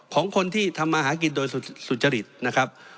ของคนที่ทำมาหากินโดยสุจริตนะครับ